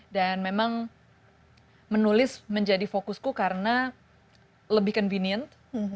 dan memang menulis menjadi fokusku karena lebih convenient